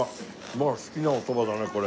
僕が好きなおそばだねこれ。